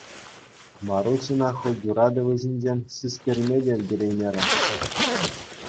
Маруҫ ӑна хӑй юратӑвӗ ҫинчен систерме те ӗлкӗреймерӗ.